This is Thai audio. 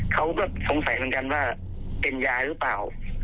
เขาก็สงสัยเหมือนกันว่าเป็นยาหรือเปล่า